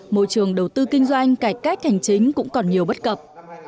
môi trường đầu tư kinh doanh cải cách hành chính cũng còn nhiều bất cập